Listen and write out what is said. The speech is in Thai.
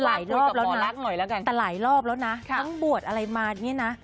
หลายรอบแล้วนะแต่หลายรอบแล้วนะต้องบวชอะไรมาเนี่ยนะ